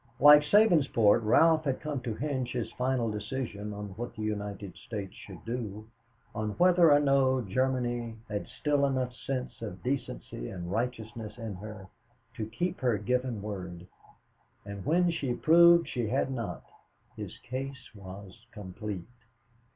Like Sabinsport, Ralph had come to hinge his final decision of what the United States should do on whether or no Germany had still enough sense of decency and righteousness in her to keep her given word, and, when she proved she had not, his case was complete.